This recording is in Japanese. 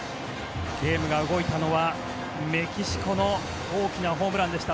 ゲームが動いたのはメキシコの大きなホームランでした。